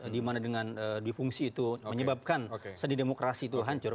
dimana dengan difungsi itu menyebabkan sedih demokrasi itu hancur